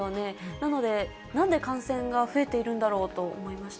なので、なんで感染が増えているんだろうと思いました。